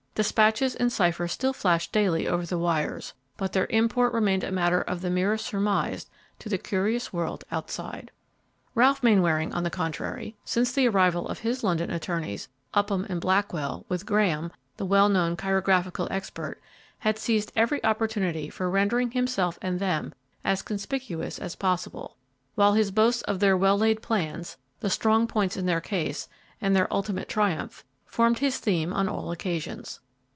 Despatches in cipher still flashed daily over the wires, but their import remained a matter of the merest surmise to the curious world outside. Ralph Mainwaring, on the contrary, since the arrival of his London attorneys, Upham and Blackwell, with Graham, the well known chirographical expert, had seized every opportunity for rendering himself and them as conspicuous as possible, while his boasts of their well laid plans, the strong points in their case, and their ultimate triumph, formed his theme on all occasions.